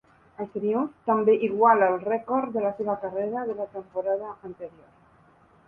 El triomf també iguala el rècord de la seva carrera de la temporada anterior.